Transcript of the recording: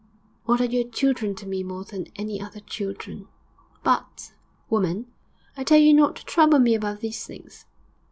'What are your children to me more than any other children?' 'But ' 'Woman, I tell you not to trouble me about these things.